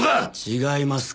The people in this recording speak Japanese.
違います。